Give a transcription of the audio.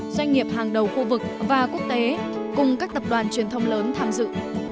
doanh nghiệp hàng đầu khu vực và quốc tế cùng các tập đoàn truyền thông lớn tham dự